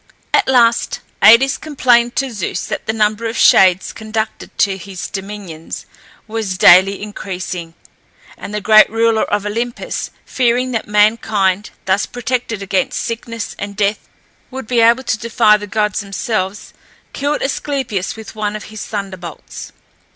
At last Aïdes complained to Zeus that the number of shades conducted to his dominions was daily decreasing, and the great ruler of Olympus, fearing that mankind, thus protected against sickness and death, would be able to defy the gods themselves, killed Asclepius with one of his thunderbolts.